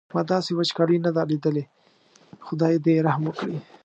ما داسې وچکالي نه ده لیدلې خدای دې رحم وکړي.